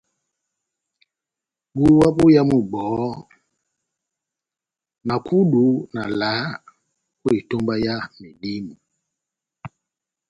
Búwa bóyámu bohó, na kudu na valaha ó etómba yá medímo.